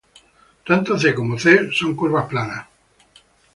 Tanto" C" como "C" son curvas planas.